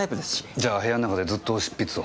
じゃ部屋の中でずっと執筆を？